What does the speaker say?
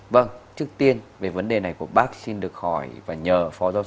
vâng trước tiên về vấn đề này của bác xin được hỏi và nhờ phó giáo sư